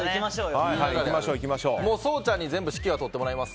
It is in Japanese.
颯ちゃんに全て指揮を執ってもらいます。